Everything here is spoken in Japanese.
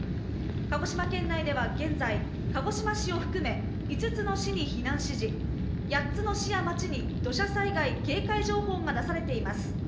鹿児島県内では現在、鹿児島市を含め、５つの市に避難指示、８つの市や町に土砂災害警戒情報が出されています。